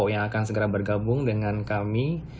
yang akan segera bergabung dengan kami